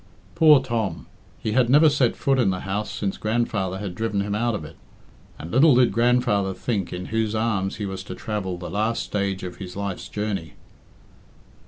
Poor Tom! He had never set foot in the house since grandfather had driven him out of it. And little did grandfather think in whose arms he was to travel the last stage of his life's journey."